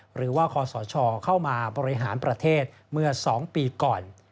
คอสชเข้ามาบริหารประเทศเมื่อ๒ปีก่อน